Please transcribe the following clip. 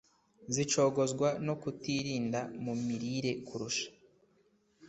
zicogozwa no kutirinda mu mirire kurusha